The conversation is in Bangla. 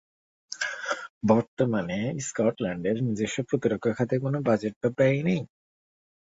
বর্তমানে স্কটল্যান্ডের নিজস্ব প্রতিরক্ষা খাতে কোনো বাজেট বা ব্যয় নেই।